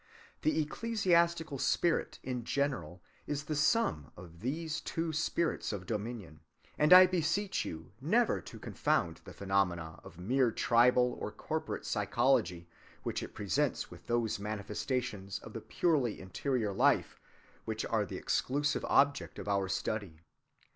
The ecclesiastical spirit in general is the sum of these two spirits of dominion; and I beseech you never to confound the phenomena of mere tribal or corporate psychology which it presents with those manifestations of the purely interior life which are the exclusive object of our study.